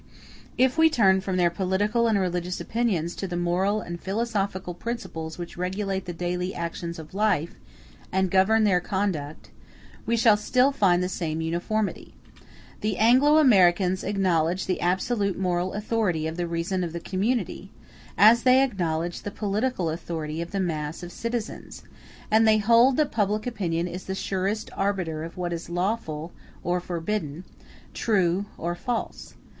If we turn from their political and religious opinions to the moral and philosophical principles which regulate the daily actions of life and govern their conduct, we shall still find the same uniformity. The Anglo Americans *d acknowledge the absolute moral authority of the reason of the community, as they acknowledge the political authority of the mass of citizens; and they hold that public opinion is the surest arbiter of what is lawful or forbidden, true or false.